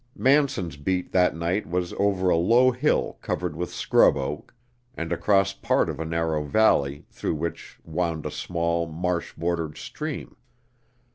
Manson's beat that night was over a low hill covered with scrub oak, and across part of a narrow valley, through which wound a small, marsh bordered stream.